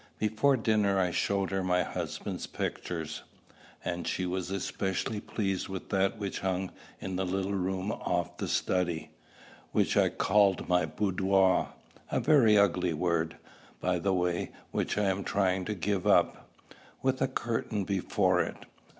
Before dinner I showed her my husband's pictures; and she was especially pleased with that which hung in the little room off the study, which I called my boudoir, a very ugly word, by the way, which I am trying to give up, with a curtain before it.